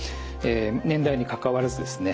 年代にかかわらずですね